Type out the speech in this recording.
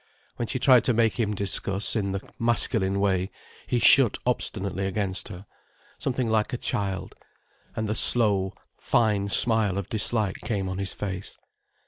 When she tried to make him discuss, in the masculine way, he shut obstinately against her, something like a child, and the slow, fine smile of dislike came on his face.